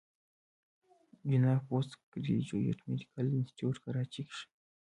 جناح پوسټ ګريجويټ ميډيکل انسټيتيوټ کراچۍ کښې